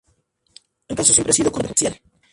El caso siempre ha sido controversial.